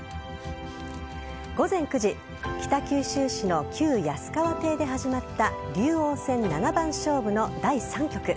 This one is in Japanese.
午前９時北九州市の旧安川邸で始まった竜王戦七番勝負の第３局。